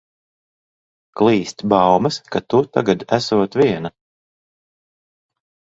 Klīst baumas, ka tu tagad esot viena.